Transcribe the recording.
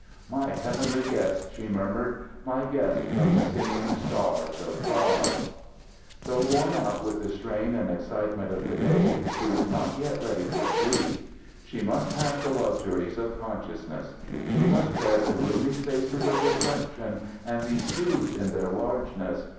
"My heavenly guest!" she murmured. "My guest from the singing stars of God!" Though worn out with the strain and excitements of the day, she was not yet ready for sleep. She must have the luxuries of consciousness; she must tread the roomy spaces of reflection and be soothed in their largeness.